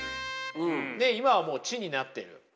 今はもう知になってる。